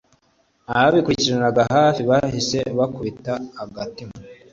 ababikurikiraniraga hafi bahise bakubita agatima